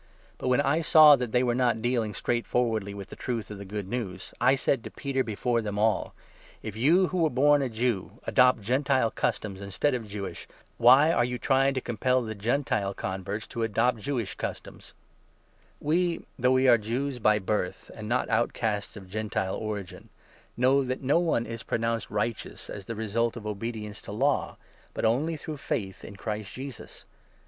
But, when I saw 14 that they were not dealing straightforwardly with the Truth of the Good News, I said to Peter, before them all, " If you, who were born a Jew, adopt Gentile customs, instead of Jewish, why are you trying to compel the Gentile converts to adopt Jewish customs ?" III. — THE LAW AND THE GOSPEL. The Failure We, though we are Jews by birth and not out 15 or the Law. casts of Gentile origin, know that no one is 16 pronounced righteous as the result of obedience to Law, but only through faith in Christ Jesus.